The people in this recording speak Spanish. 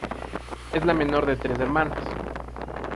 Es la menor de tres hermanas.